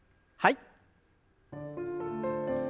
はい。